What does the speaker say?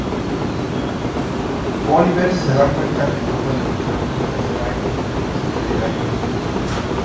Oliver se da cuenta que no puede luchar contra Slade sin pedir ayuda.